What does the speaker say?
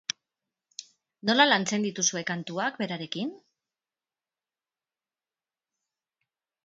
Nola lantzen dituzue kantuak berarekin?